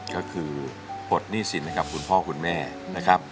ก็คือปลดหนี้สินให้กับคุณพ่อคุณแม่นะครับ